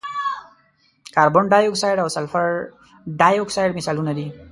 کاربن ډای اکسایډ او سلفر ډای اکساید مثالونه دي.